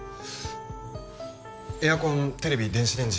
エアコンテレビ電子レンジ